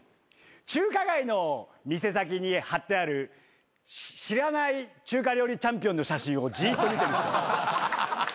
中華街の店先に張ってある知らない中華料理チャンピオンの写真をじっと見てる人。